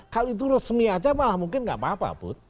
kalau itu resmi aja malah mungkin nggak apa apa but